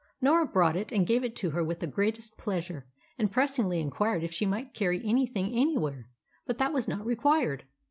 Norah brought it and gave it to her with the greatest pleasure, and pressingly inquired if she might carry anything anywhere. But that was not required.